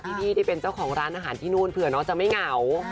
พี่ที่เป็นเจ้าของร้านอาหารที่นู่นเผื่อน้องจะไม่เหงา